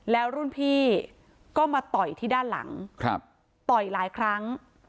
แล้วรุ่นพี่ก็มาต่อยที่ด้านหลังต่อยหลายครั้ง